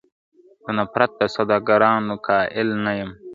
د نفرت د سوداګانو قائل نۀ يم